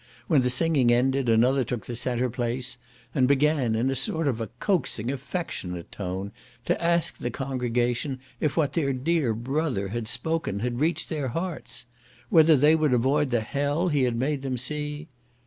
When the singing ended, another took the centre place, and began in a sort of coaxing affectionate tone, to ask the congregation if what their dear brother had spoken had reached their hearts? Whether they would avoid the hell he had made them see?